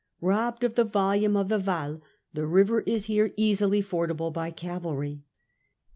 Robbed of the volume June 12. 0 f t | ie Waal, the river is here easily fordable by cavalry.